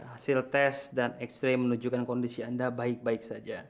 hasil tes dan x ray menunjukkan kondisi anda baik baik saja